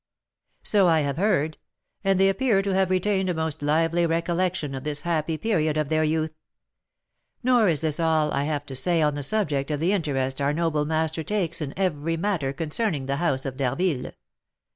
"So I have heard; and they appear to have retained a most lively recollection of this happy period of their youth. Nor is this all I have to say on the subject of the interest our noble master takes in every matter concerning the house of D'Harville.